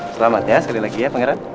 selamat ya sekali lagi ya pangeran